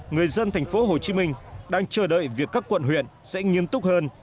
người dân thành phố hồ chí minh đang chờ đợi việc các quận huyện sẽ nghiêm túc hơn